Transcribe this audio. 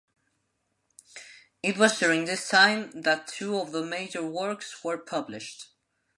It was during this time that two of their major works were published.